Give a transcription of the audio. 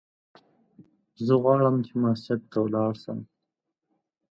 زه غواړم چې مسجد ته ولاړ سم!